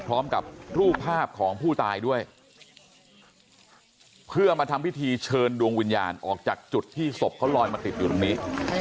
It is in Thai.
พร้อมกับรูปภาพของผู้ตายด้วยเพื่อมาทำพิธีเชิญดวงวิญญาณออกจากจุดที่ศพเขาลอยมาติดอยู่ตรงนี้